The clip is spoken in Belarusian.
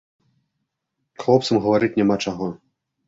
Хлопцам гаварыць няма чаго.